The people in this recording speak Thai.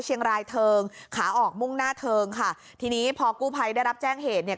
เชียงรายเทิงขาออกมุ่งหน้าเทิงค่ะทีนี้พอกู้ภัยได้รับแจ้งเหตุเนี่ย